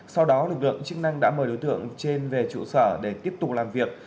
sau đó lực lượng chức năng đã mời đối tượng trên về trụ sở để tiếp tục làm việc